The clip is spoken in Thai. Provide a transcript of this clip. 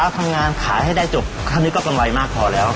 ตอนนี้ก็มีความสุขแล้ว